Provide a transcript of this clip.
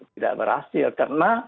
tidak berhasil karena